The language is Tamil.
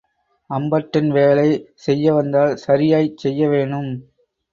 அம்பட்டன் வேலை செய்ய வந்தால் சரியாய்ச் செய்ய வேணும்.